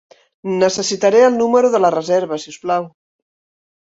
Necessitaré el número de la reserva, si us plau.